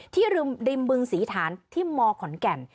ริมบึงศรีฐานที่มขอนแก่น